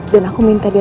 dan aku minta dia